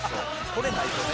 これないとね」